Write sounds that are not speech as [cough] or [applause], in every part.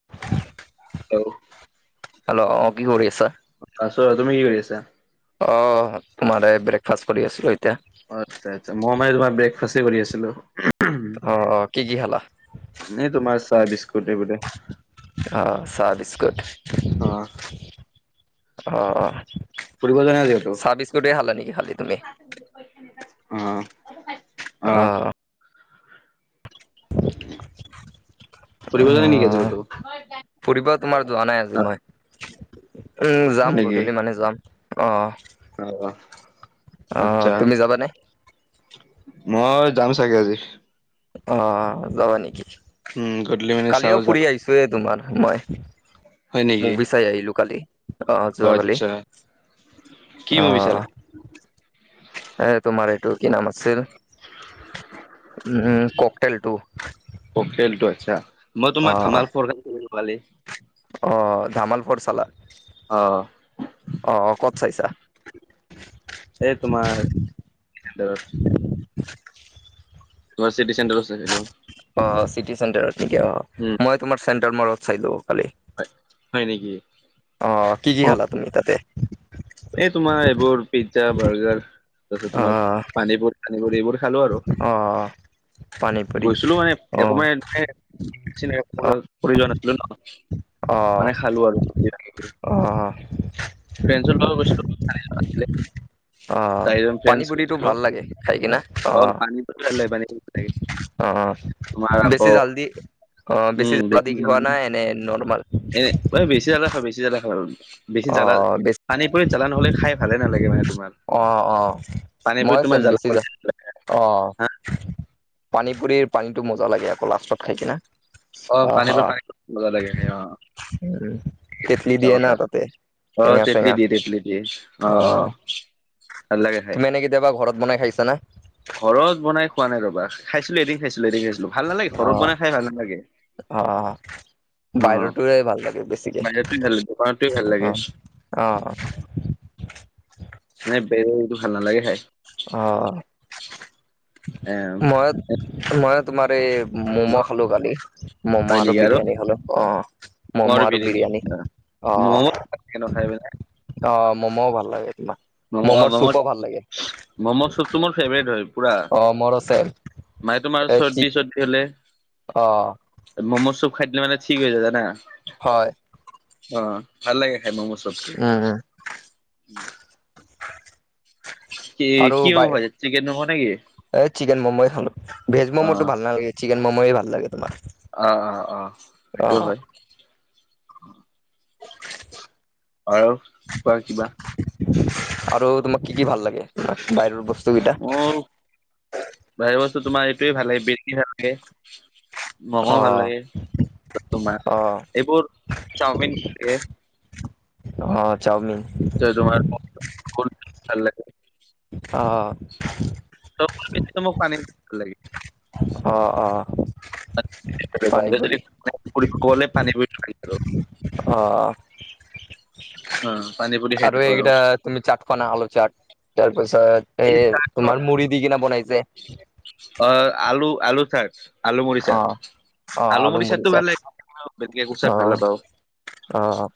[inaudible] Hello. Hello অ' কি কৰি আছা? আছো আৰু, তুমি কি কৰি আছা? অ', মানে ব্ৰেকফাষ্ট কৰি আছিলো এতিয়া। আচ্ছা আচ্ছা মই মানে তোমাৰ ব্ৰেকফাষ্টেই কৰি আছিলো। অ', অ', কি কি খালা? এনে তোমাৰ চাহ বিস্কুট সেইবোৰে। অ', চাহ বিস্কুট। অ'। অ', অ'। ফুৰিব যোৱা নাই আজি ক'তো? চাহ বিস্কুটে খালা নেকি খালি তুমি? উম। অ'। ফুৰিব যোৱা নাই নেকি আজি অ'। কতো? ফুৰিব তোমাৰ যোৱা নাই আজি অ মই, উম হয় যাম নেকি? গধূলি মানে যাম। অ', অ অ', আচ্ছা তুমি যাবানে? মই যাম চাগে আজি। অ', যাবা নেকি? উম গধূলি মানে চাও কালিও যাম ফুৰি আহিছোহে তোমাৰ মই। হয় নেকি? মভি চাই আহিলো কালি অ' যোৱাকালি কি মুভি চালা? অ'। এ তোমাৰ এইটো কি নাম আছিল উম, উম, ক'কতেল টু। ক'কতেল টু আচ্ছা মই অ তোমাৰ ধামাল ফ'ৰ [unintelligible] কালি। অ', ধামাল ফৰ চালা? অ'। অ', অ', ক'ত চাইছা? এই তোমাৰ [inaudible] [inaudible] গুৱাহাটী চিটি চেন্টাৰত চাইছিলো। অ', চিটিচেন্টাৰ থিকে উম অ' মই তোমাৰ চেট্ৰেৰ মলত চাইলো কালি। হয়, হয় নেকি? অ', কি কি খালা তুমি তাতে? এই তোমাৰ এইবোৰ পিজ্জা বাৰ্গাৰ তাৰপছত অ তোমাৰ পানীপুৰি। এইবোৰ খালো আৰু অ পানী পুৰি গৈছিলো মানে অ একমান এনে [unintelligible] ন অ মানে খালো আৰু কিবা কিবি। অ'। ফ্ৰেঞ্চৰ লগত গৈছিলো [unintelligible] অ', চাৰিজন পানী ফ্ৰেণ্ডছ পুৰিটো গৈছিলো ভাল লাগে খাই কিনে। অ', পানী পানী অ', তোমাৰ বেছি আকৌ জাল্ দি অ', বেছি জালা দি খোৱা না এনে নৰ্মেল? এনে অ', বেছি জালা খাবেছি জালা খাওঁ। বেছি অ জালা, বেছি পানী পুৰিত জালা নহ'লে খাই ভালে নালাগে মানে তোমাৰ। অ', অ'। পানী মই পুৰিত চাম তোমাৰ জাল বেছি যা অ', পানী পুৰিৰ পানীটো মজা লাগে আকৌ লাষ্টত খাই কিনে। অ', পানীপুৰি পানিটো মজা লাগে খাই অ', তেতলি সঁচা দিয়ে না কথা। তাতে অ', টেঙা তেঁতলি চেঙা দিয়ে তেঁতলি দিয়ে, অ', অ', ভাল লাগে খাই। তুমি এনে কেতিয়াবা ঘৰত বনাই খাইছা না? ঘৰত বনাই খোৱা নাই ৰ'বা, খাইছিলোঁ, এদিন খাইছিলোঁ এদিন খাইছিলোঁ। অ', অ'। অ বাহিৰৰতোৰে ভাল লাগে বেছিকে বাহিৰতোৱে ভাল দোকানতোৱে ভাল লাগে অ', অ'। এনেই [unintelligible] ভাল নালাগে খাই। অ', এ ময়ো, ময়ো তোমাৰ এই ম'ম' খালোঁ কালি, ম'ম' হয় আৰু নেকি বিৰিয়ানী খালোঁ অ'। ম'ম' আৰু বিৰিয়ানী অ'। ভালগে ন খাই পেলে? অ', ম'ম'ও ভাল লাগে তোমাৰ। ম'ম খা ম'মৰ মমজ, চুপো ভাল লাগে ম'ম'ৰ চুপটো মোৰ ফেভাৰেট হয় পুৰা। অ মোৰ আছে মানে তোমাৰ এ চি চৰ্দি চৰ্দি হ'লে। অ'। ম'ম চুপ খাই দিলে মানে ঠিক হৈ যায় জানা? হয়। অ', ভাল লাগে খাই ম'ম' চুপ। আ। কি কি ম'ম খাইচা চিকেন ম'ম নেকি? এ চিকেন ম'ম'ই খালোঁ, ভেজ অ ম'ম' টো ভাল নালগে। চিকেন ম'ময়ে ভাল লাগে তোমাৰ। অ', অ', অ', অ সেইটো হয়। আৰু কোৱা কিবা। আৰু তোমাক কি কি ভাল লাগে? বাহিৰত মোৰ বাহিৰা বস্তু তোমাৰ এইটোৱে ভাল লাগে, বেছি ভাল লাগে। ম'মও ভাল অ', লাগে তোমাৰ, এইবোৰ চাওমিন লাগে। অ', চাওমিন। [unintelligible] অ'। মোক পানীত ভাল লাগে। অ', অ', পানীপুৰি। সকলোৱে পানীপুৰিটো খায়। অ', উম পানী পুৰি খাই থাকোঁ আৰু। তুমি চাট খোৱা না আলু চাট, তাৰ পিছত এ এই চাট তোমাৰ মুড়ি দি কিনে বনাই যে। অ', আলু, আলু চাট আলু মুৰিৰ চাট, অ', অ', আলু আলুমুড়ি মুড়ি চাটটো ভাল চাট লাগে বাকী একো চাট ভাল নাপাওঁ। অ', অ'।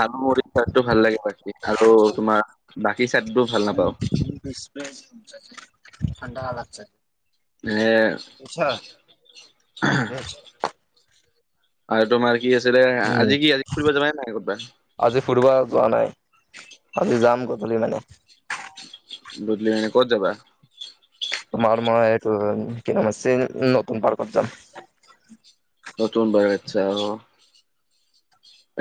আলু মুৰিৰ চাদটো ভাল লাগে বাকী, আৰু তোমাৰ বাকী চাদটো [unintelligible] ঠাণ্ডা লাগছে। এই [unintelligible] আৰু তোমাৰ কি আছিলে? উম, আজি কি, আজি ফুৰিব যাবান নে নাই কৰ'বাত? আজি ফুৰিব যোৱা নাই, আজি যাম গধূলি মানে। গধুলি মানে ক'ত যাবা? তোমাৰ মই এইটো, কি নাম আছে? নতুন পাৰ্কত যাম। নতুন পাৰ্কত যাই, অ'।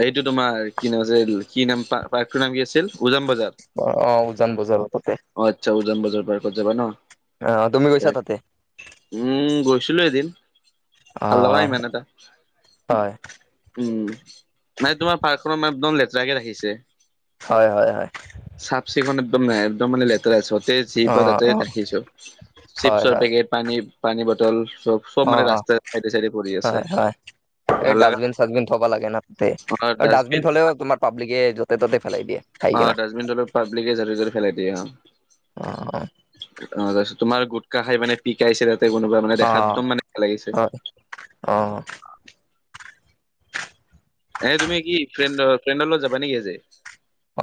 এইটো তোমাৰ কি নাম আছিল? কি নাম, পাৰ্কটোৰ নাম কি আছিল? উজান বাজ অ', অ', উজান বজাৰৰ তাতেই। অ', আচ্ছা, উজান বজাৰৰ পাৰ্কত যাবা ন? অ', তুমি গৈছা তাতে? উম, গৈছিলো এদিন। ভাল লগা অ', নাই ইমান এটা, হয়। উম। মানে তোমাৰ পাৰ্কখনৰ ম [unintelligible] একদম লেতেৰাকে ৰাখিছে। হয়, হয়, হয়। চাফ চিকুণ একদম নাই, একদম মানে যতেই যি পাই অ', তাতে অ', ৰাখিছো, হয়, চিপছৰ হয়, পেকেট, পানী, পানী বটল চব চব মানে অ', অ', ৰাস্তাৰ চাইডে চাইডে কৰি আছে, হয়, হয়। ভাল লাগা নাই। [unintelligible] আৰু ডাষ্টবিন থলেও তোমাৰ পাব্লিকে য'তে ত'তে ফেলাই দিয়ে, খাই অ কিনা। ডাষ্টবিন তলত পাব্লিকে যতে যতে পেলাই দিয়ে, অহ। অ', অ'। অ', তাৰপিছত তোমাৰ গোটকা খাই মানে পিকাইছে তাতে কোনোবাই, মানে অ দেখাত একদম মানে বেয়া লাগিছে। অ'। এনে তুমি কি ফ্ৰেণ্ডৰ ফ্ৰেণ্ডৰ লগত যাবা নেকি আজি?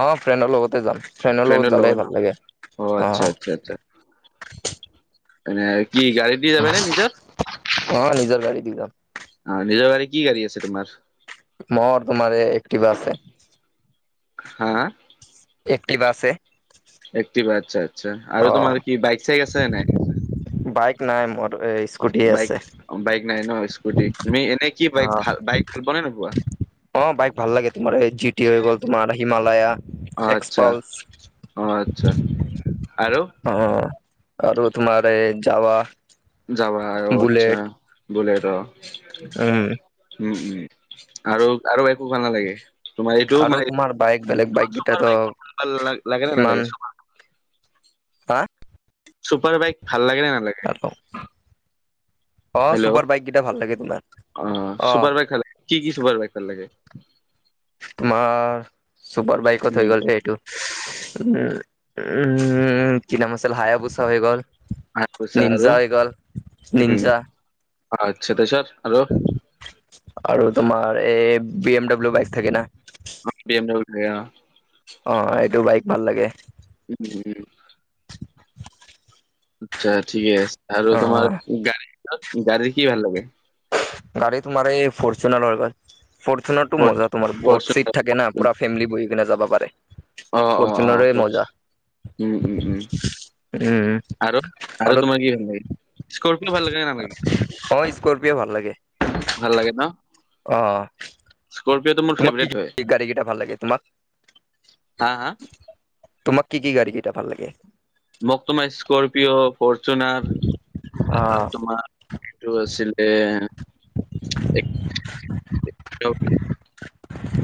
অ', ফ্ৰেণ্ডৰ লগতে যাম, ফ্ৰেণ্ডৰ লগত জালে ভাল লাগে, আচ্ছা অ'। আচ্ছা মানে কি, গাড়ী দি যাব নে নিজৰ? অ নিজৰ গাড়ী দি যাম অ', নিজৰ গাড়ী, কি গাড়ী আছে তোমাৰ? মোৰ তোমাৰ এই একটিভা আছে। হা? এক্টিভা আছে। একটিভা, আচ্ছা আচ্ছা, অ আৰু তোমাৰ কি বাইক চাইক আছে নে নাই? বাইক নাই মোৰ এ স্কুটিয়ে বাইক, আছে বাইক নাই ন স্কুটি, তুমি এনেই কি অ বাইক ভাল, বাইক ভাল পোৱা নে নোপোৱা? অ', বাইক ভাল লাগে, তোমাৰ এই জি তি হৈ গ'ল, তোমাৰ হিমালয়া, অ আচ্ছা এক্সপালচ। অ আচ্ছা আৰু? অ' আৰু তোমাৰ এই যাৱা। যাৱা আৰু আচ্ছা, বুলেট অহ। উম উম, আৰু, আৰু একো ভাল নালাগে? তোমাৰ এইটো আৰু মানে তোমাৰ বাইক বেলেগ বাইক তোমাক চোপাৰ কেইটাতো বাইক লাগে নে ইমান নালাগে? চুপাৰ হা চুপাৰ বাইক ভাল লাগে নে নালাগে? অ হেল্ল'ও চুপাৰ বাইক কেইটা ভাল লাগে তোমাৰ অঁ অ চুপাৰ বাইক ভাল কি কি চুপাৰ বাইক ভাল লাগে? তোমাৰ চুপাৰ বাইকত হৈ উম, গ'ল এইটো উম, উম কি নাম আছিল হায়াবুছ হৈ গ'ল। কৈছা আৰু নিনজা হৈ গ'ল নিনজা। আতছা তাপিছত আৰু? আৰু তোমাৰ এই বি এম ডাব্লিউ বাইক থাকে না অঁ বি এড ডব্লিউ থাকে অঁ অঁ, এইটো বাইক ভাল লাগে। [unintelligible] আচ্ছা ঠিকে আছে আৰু অ তোমাৰ গাড়ী, গাড়ী কি ভাল লাগে? গাড়ী তোমাৰ এই ফৰচুনাৰ হৈ গ'ল ফৰচুনাৰটো ফৰ মজা তোমাৰ বহুত চিট ফৰচুনাৰ থাকে না। পুৰা ফেমলি বহি কিনে যাব পাৰে। অঁ অঁ অঁ ফৰচুনাৰে ফ'ৰ্চ মজা উম উম উম। উম আৰু আৰু তোমাৰ কি ভাল লাগে? স্কৰপিঅ' ভাল লাগে নে নালাগে? হয় স্কৰপিঅ' ভাল লাগে। ভাল লাগে ন'? অ' স্কৰপি'টো মই তোমাক কি কি গাড়ী কিটা ভাল লাগে তোমাক? হা হা? তোমাক কি কি গাড়ী কিটা ভাল লাগে? মোক তোমাৰ স্কৰপিঅ' ফৰচুনাৰ আৰ আৰু অ', তোমাৰ এইটো আছিলে এক [unintelligible]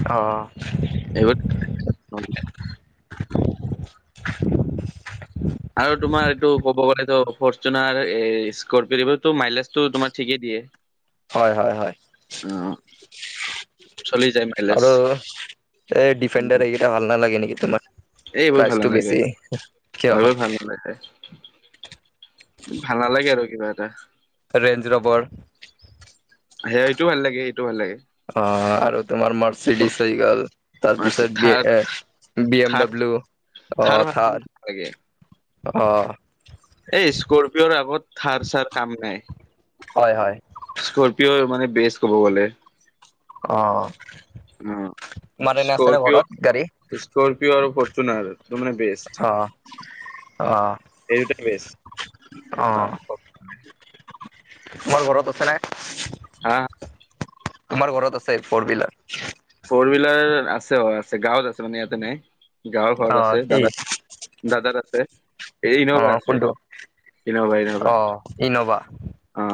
অ' এইবোৰ আৰু তোমাৰ এইটো ক'ব গ'লেত' ফৰচুনাৰ এ স্কৰপিঅ এইবোৰটো মাইলেজ টো তোমাৰ ঠিকেই দিয়ে? [inaudible] হয় হয় হয়। অ' [unintelligible] চলি যায় মাইলেজ। আৰু এই ডিফেণ্ডাৰ এইকেইটা ভাল নালাগে নেকি তোমাৰ? এ এইবোৰ ভাল প্ৰাইচটো নালাগে, বেছি কিয় অলো ভাল নালাগে। [unintelligible] ভাল নালাগে আৰু কিবা এটা। কা ৰেঞ্জ ৰবৰ সেয়াই টো ভাল লাগে সেইটো ভাল লাগে অঁ, আৰু তোমাৰ মাৰ্চিডিছ হৈ গ'ল। তাৰপিছত বি থাৰ এ B M Thar W. Thar ভাল লাগে নালাগে? অ' এই স্কৰপিঅ'ৰ আগত থাৰ চাৰ কাম নাই। হয় হয়। স্কৰৰ্পিঅ'ই মানে বেছ ক'ব গ'লে। অঁ, অ'। তোমাৰ এনে আছে নে ঘৰত গাড়ী? স্কৰৰ্পিঅ আৰু ফৰ্চুনাৰ ত' মানে বেছ। অঁহ অঁহ এই দুটাই বেষ্ট অঁহ। তোমাৰ ঘৰত আছে নাই? হা তোমাৰ ঘৰত আছে ফৰ বিলাৰ? ফ'ৰ বিলাৰ আছে অ আছে গাঁৱত আছে মানে ইয়াতে নাই, গাঁৱৰ ঘৰত অ', আছে কি দাদা দাদাৰ আছে। এই ইন'ভা অ', আছে কোনটো? ইন'ভা ইন'ভা অ', ইন'ভা অ।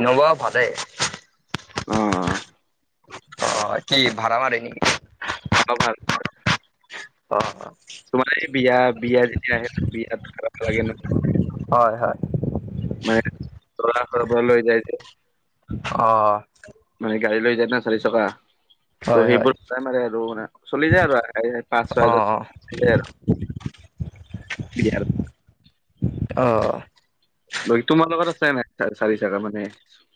ইন'ভা ভালে। উম। অ কি ভাড়া মাৰে নেকি? অ ত ভাল অ অ। তোমাৰ এই বিয়া বিয়া যেতিয়া আহে নিকি বিয়া ভাৰাত লাগে ন। হয় হয়। মানে দৰাৰ ঘৰৰ পৰা লৈ যায় যে। অহ। মানে গাড়ি লৈ যায় ন চাৰি চকা ত' হয় হয় সেইবোৰ ভাৰাই মাৰে আৰু মানে চলি যায় আৰু পাঁচ ছয় অ অ হাজাৰ [inaudible] আৰু বিয়াৰ। অহ। বাকি তোমাৰ লগত আছে নাই চ চাৰি চকা মানে?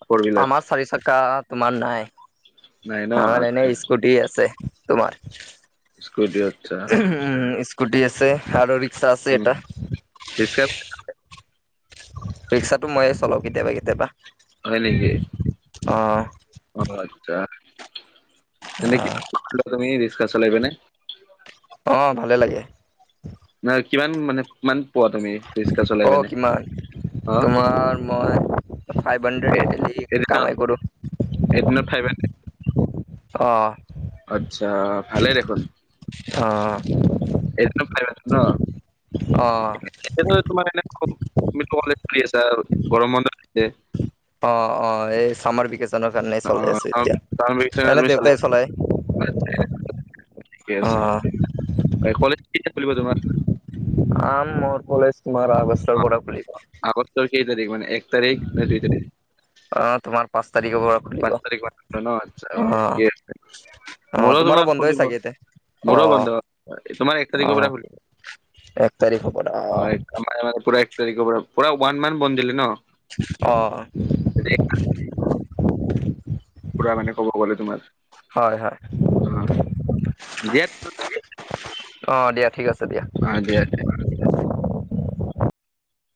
ফৰ হুইলাৰ আমাৰ চাৰি চকা তোমাৰ নাই, নাই ন আমাৰ এনে আচ্ছা স্কুটি আছে তোমাৰ, স্কুটি আচ্ছা অ উম স্কুটি আছে আৰু ৰি চা আছে উম, এটা। [inaudible] ৰিক্সাটো মইয়ে চলাও কেতিয়াবা কেতিয়াবা। হয় নেকি, অ অ আচ্ছা। এনে কেনেকুৱা লাগে তুমি ৰিক্সা চলাই পিনে? অ ভালে লাগে। নাহ কিমান মানে কিমান পোৱা তুমি ৰিক্সা চলাই অ পিনে। কিমান অ তোমাৰ মই ফাইভ হাণ্ড্ৰেড ডেইলী কামাই কৰোঁ। এইটদিনত ফাইভ হান্দ্ৰেড? অহ। আচ্ছা ভালে দেখোন। অ। এদিনত ফাইভ হান্দেড ন? অ। [inaudible] গৰম বন্ধ দিলে। অ অ এই চামৰ ভিকে চনৰ কাৰণেই অ চলাই আছো চামাৰ ভেকেচনত এতিয়া এনে তুমি চলাই দেউতাই আছা আচ্ছা চলাই। অ। হয় কলেজ কেইটা খুলিব তোমাৰ? আম মোৰ কলেজ তোমাৰ আগষ্ট। অঁ আগষ্টৰ কেই তাৰিখ মানে এক তাৰিখ নে দুই তাৰিখ? অ তোমাৰ পাঁচ তাৰিখ পৰা। খুলিব পাঁচ অ তাৰিখ মানৰ পৰা ন আচ্চা অ ঠিকে আছে। অ মোৰো তোমাৰো তোমাৰ বন্ধই চাগে এতিয়া [unintelligible] অ মোৰো বন্ধ তোমাৰ এক অ তাৰিখৰ পৰা খুলিব। এক তাৰিখ পৰা অ। হয় আমাৰ মানে পুৰা এক তাৰিখৰ পৰা পুৰা ওৱান মান্থ বন্ধ দিলে ন। অহ পুৰা মানে ক'ব গ'লে তোমাৰ হয় হয় অ দিয়া অ দিয়া ঠিক আছে দিয়া। অ দিয়া।